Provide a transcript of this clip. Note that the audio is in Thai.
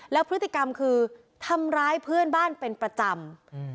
แล้วพฤติกรรมคือทำร้ายเพื่อนบ้านเป็นประจำ